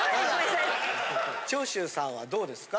長州さんはどうですか？